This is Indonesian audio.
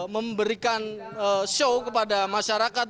memberikan show kepada masyarakat